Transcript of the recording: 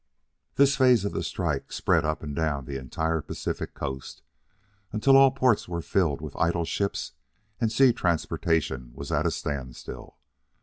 This phase of the strike spread up and down the entire Pacific coast, until all the ports were filled with idle ships, and sea transportation was at a standstill.